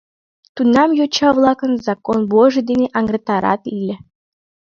Тунам йоча-влакым «закон божий» дене аҥыртарат ыле.